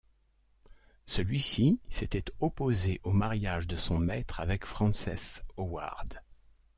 Celui-ci s'était opposé au mariage de son maître avec Frances Howard.